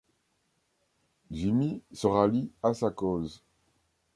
Jimmy se rallie à sa cause.